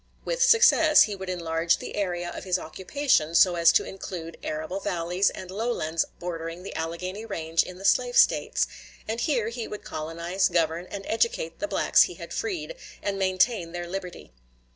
With success, he would enlarge the area of his occupation so as to include arable valleys and low lands bordering the Alleghany range in the slave States; and here he would colonize, govern, and educate the blacks he had freed, and maintain their liberty.